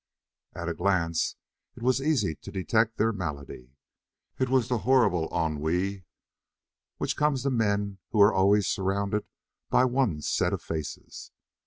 At a glance it was easy to detect their malady; it was the horrible ennui which comes to men who are always surrounded by one set of faces.